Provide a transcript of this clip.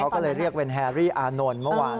เขาก็เลยเรียกเป็นแฮรี่อานนท์เมื่อวาน